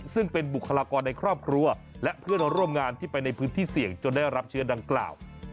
ซึ่งเป็นบุคลากรในครอบครัวและเพื่อนร่วมงานที่ไปในพื้นที่เสี่ยงจนได้รับเชื้อดังกล่าว